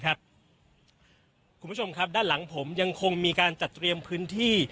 คุณผู้ชมครับด้านหลังผมยังคงมีการจัดเตรียมพื้นที่